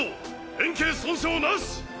変形損傷無し。